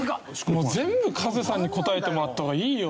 もう全部カズさんに答えてもらった方がいいよ。